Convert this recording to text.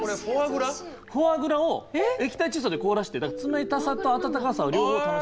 フォアグラを液体窒素で凍らせて冷たさと温かさを両方楽しむ。